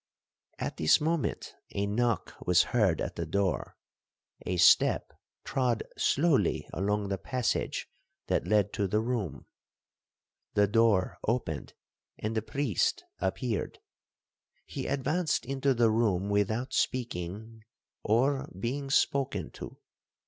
'At this moment a knock was heard at the door,—a step trod slowly along the passage that led to the room,—the door opened, and the priest appeared. He advanced into the room without speaking, or being spoken to.